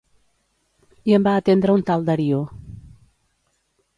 I em va atendre un tal Darío.